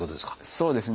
そうですね。